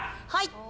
はい！